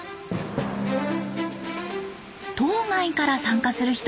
島外から参加する人も。